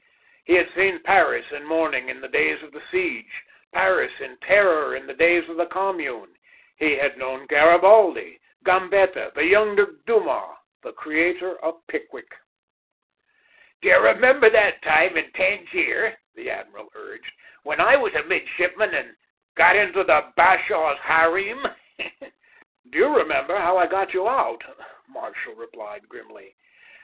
He had seen Paris in mourning in the days of the siege, Paris in terror in the days of the Commune; he had known Garibaldi, Gambetta, the younger Dumas, the creator of Pickwick. "Do you remember that time in Tangier," the admiral urged, "when I was a midshipman, and got into the bashaw's harem?" "Do you remember how I got you out?" Marshall replied grimly.